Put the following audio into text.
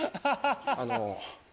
あの。